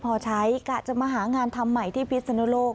พอกินไม่พอใช้กล้าจะมาหางานทำใหม่ที่พิศนโลก